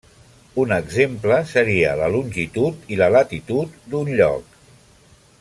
Un exemple seria la longitud i la latitud d'un lloc.